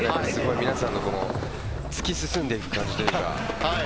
皆さんの突き進んでいく感じというか。